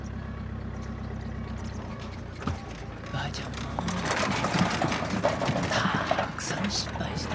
ばあちゃんもたくさん失敗したとよ。